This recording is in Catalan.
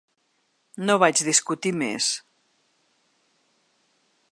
No vaig discutir més…